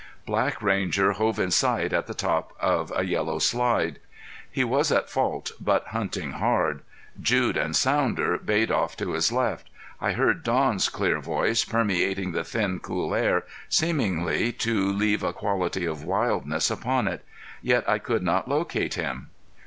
Black Ranger hove in sight at the top of a yellow slide. He was at fault but hunting hard. Jude and Sounder bayed off to his left. I heard Don's clear voice, permeating the thin, cool air, seemingly to leave a quality of wildness upon it; yet I could not locate him.